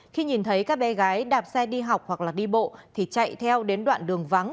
khi nhìn thấy các bé gái đạp xe đi học hoặc đi bộ thì chạy theo đến đoạn đường vắng